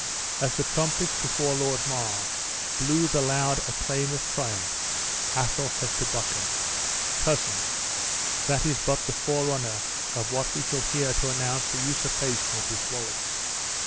As the trumpets before Lord Mar blew the loud acclaim of triumph, Athol said to Buchan, "Cousin, that is but the forerunner of what we shall hear to announce the usurpation of this Wallace.